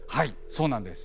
そうなんです。